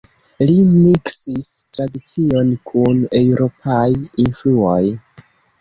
Li miksis tradicion kun eŭropaj influoj.